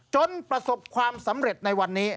จนประสบความสำเร็จในวันนี้